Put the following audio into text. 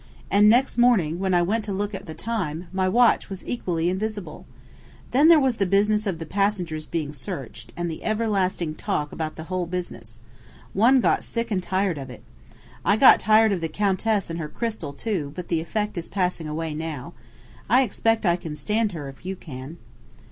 And next morning, when I wanted to look at the time, my watch was equally invisible. Then there was the business of the passengers being searched, and the everlasting talk about the whole business. One got sick and tired of it. I got tired of the Countess and her crystal, too: but the effect is passing away now. I expect I can stand her if you can."